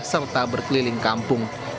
serta berkeliling kampung